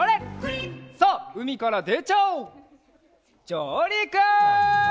じょうりく！